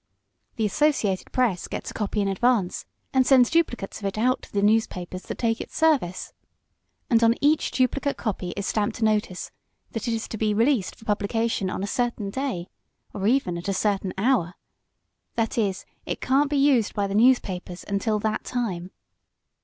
"The Associated Press gets a copy in advance, and sends duplicates of it out to the newspapers that take its service. And on each duplicate copy is stamped a notice that it is to be released for publication on a certain day or at even a certain hour. That is, it can't be used by the newspapers until that time.